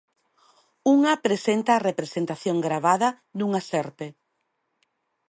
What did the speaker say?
Unha presenta a representación gravada dunha serpe.